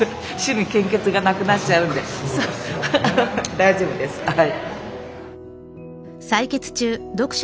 大丈夫ですはい。